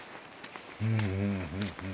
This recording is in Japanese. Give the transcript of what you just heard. うんうんうんうん。